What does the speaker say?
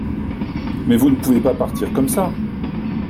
Mais vous ne pouvez pas partir comme ça!